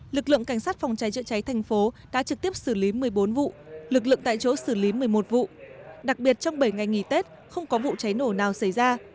lực lượng cảnh sát phòng cháy chữa cháy thành phố đã trực tiếp xử lý một mươi bốn vụ lực lượng tại chỗ xử lý một mươi một vụ đặc biệt trong bảy ngày nghỉ tết không có vụ cháy nổ nào xảy ra